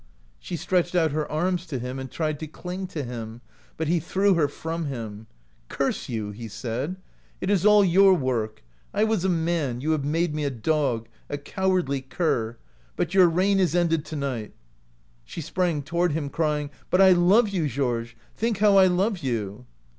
She stretched out her arms to him and tried to cling to him, but he threw her from him. "' Curse you! ' he said, ' it is all your work. I was a man — you have made me a. dog, a cowardly cur; but your reign is ended to night. 1 " She sprang toward him, crying, ' But I love you, Georges! Think how I love you!